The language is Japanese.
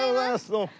どうも。